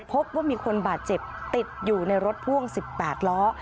พบว่ามีคนบาดเจ็บติดอยู่ในรถพ่วง๑๘ล้อ